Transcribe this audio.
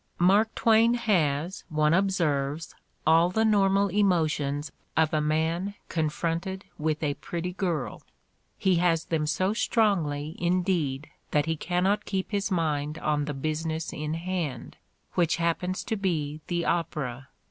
Mark Twain has, one observes, all the normal emotions of a man confronted with a pretty girl: he has them so strongly indeed that he cannot keep his mind on the "business in hand," which happens to be the opera.